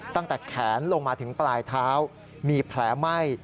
ตั้งแต่แขนลงมาถึงปลายเท้ามีแผลไหม้